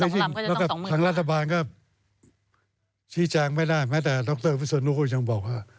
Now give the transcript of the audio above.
แล้วก็ทางรัฐบาลก็ชี้แจงไม่ได้แม้แต่ดรวิศนุก็ยังบอกว่า